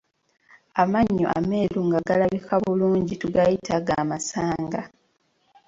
Amannyo ameeru nga galabika bulungi tugayita gamasanga.